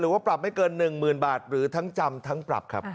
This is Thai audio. ว่าปรับไม่เกิน๑๐๐๐บาทหรือทั้งจำทั้งปรับครับ